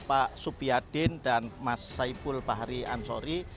pak supiyadin dan mas saipul bahari ansori